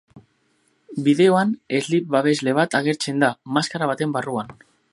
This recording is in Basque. Bideoan slip-babesle bat agertzen da maskara baten barruan.